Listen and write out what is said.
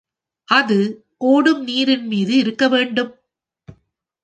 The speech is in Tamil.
அது ஓடும் நீரின்மீது இருக்கவேண்டும்.